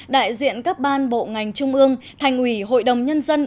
đại diện các ban bộ ngành trung ương thành ủy hội đồng nhân dân